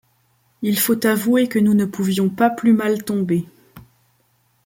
Il faut avouer que nous ne pouvions pas plus mal tomber.